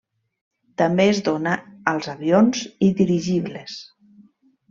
També es dóna als avions i dirigibles.